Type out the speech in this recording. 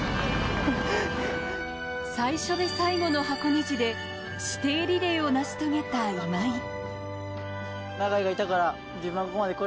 最初で最後の箱根路で師弟リレーを成し遂げた今井。